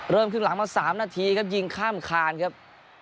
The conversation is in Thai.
ครึ่งหลังมา๓นาทีครับยิงข้ามคานครับ